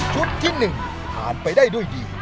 ชุดที่หนึ่งทานไปได้ด้วยดี